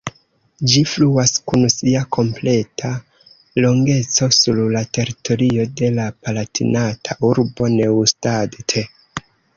Ĝi fluas kun sia kompleta longeco sur la teritorio de la palatinata urbo Neustadt.